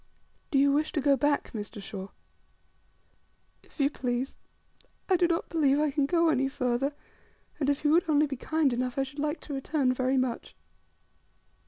"Do you wish to go back, Mr. Shaw?" "If you please. I do not believe I can go any farther; and if you would only be kind enough, I should like to return very much."